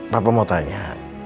papa mau tanya